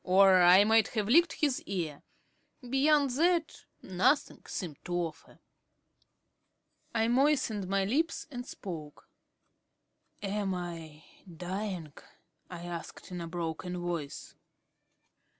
or I might have licked his ear. Beyond that, nothing seemed to offer. I moistened my lips and spoke. "Am I dying?" I asked in a broken voice.